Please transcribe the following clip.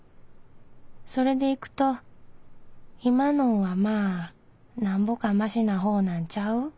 それでいくと今のんはまあなんぼかマシなほうなんちゃう？